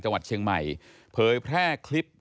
จังหวัดเชียงใหม่เผยแพร่คลิป